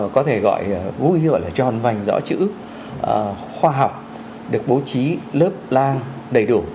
có thể gọi vui gọi là tròn vành rõ chữ khoa học được bố trí lớp lang đầy đủ